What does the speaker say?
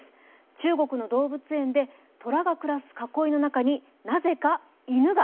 中国の動物園で虎が暮らす囲いの中に、なぜか犬が。